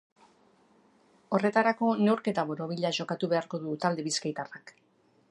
Horretarako, neurketa borobila jokatu beharko du talde bizkaitarrak.